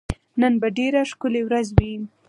نن به ډېره ښکلی ورځ وي